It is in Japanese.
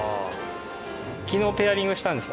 昨日ペアリングしたんです。